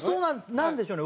なんでしょうね？